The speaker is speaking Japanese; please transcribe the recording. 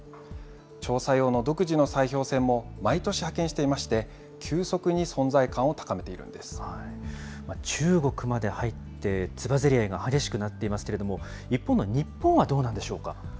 調査用の独自の砕氷船も毎年派遣していまして、急速に存在感を高中国まで入って、つばぜり合いが激しくなっていますけれども、一方の日本はどうなんでしょうか。